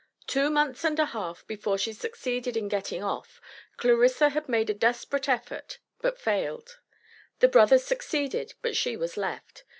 Two months and a half before she succeeded in getting off, Clarissa had made a desperate effort, but failed. The brothers succeeded, but she was left.